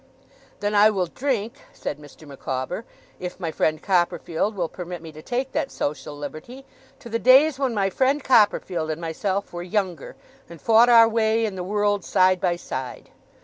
'Then I will drink,' said Mr. Micawber, 'if my friend Copperfield will permit me to take that social liberty, to the days when my friend Copperfield and myself were younger, and fought our way in the world side by side.